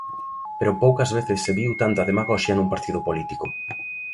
Pero poucas veces se viu tanta demagoxia nun partido político.